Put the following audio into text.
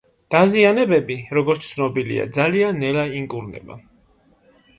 დაზიანებები, როგორც ცნობილია ძალიან ნელა იკურნება.